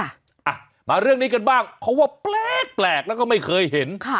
อ่ะมาเรื่องนี้กันบ้างเขาว่าแปลกแล้วก็ไม่เคยเห็นค่ะ